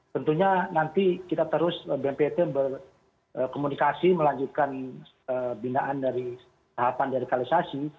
tentunya nanti kita terus bnpt berkomunikasi melanjutkan pembinaan dari tahapan de rekalisasi